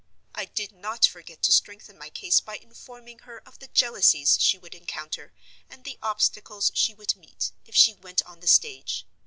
I did not forget to strengthen my case by informing her of the jealousies she would encounter, and the obstacles she would meet, if she went on the stage.